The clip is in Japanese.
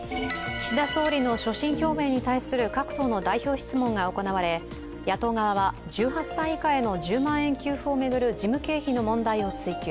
岸田総理の所信表明に対する各党の代表質問が行われ野党側は、１８歳以下への１０万円給付を巡る事務経費の問題を追及。